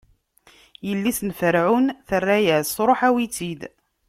Yelli-s n Ferɛun terra-as: Ruḥ awi-tt-id!